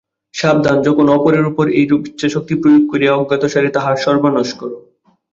সাবধান, যখন অপরের উপর এইরূপ ইচ্ছাশক্তি প্রয়োগ করিয়া অজ্ঞাতসারে তাহার সর্বনাশ কর।